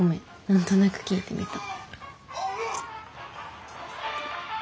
何となく聞いてみた。